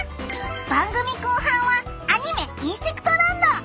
番組後半はアニメ「インセクトランド」！